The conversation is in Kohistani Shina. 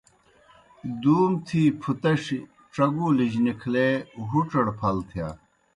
دُوم تھی پُھتَݜیْ ڇگُولِجیْ نِکھلے ہُڇڑ پھل تِھیا۔